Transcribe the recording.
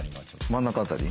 真ん中辺り？